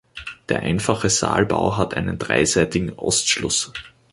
Der einfache Saalbau hat einen dreiseitigen Ostschluss.